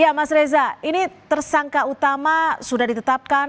ya mas reza ini tersangka utama sudah ditetapkan